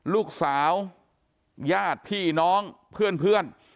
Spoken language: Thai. ลูกสาวญาติพี่น้องเพื่อน